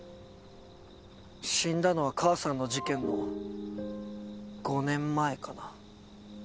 死んだのは母さんの事件の５年前かな。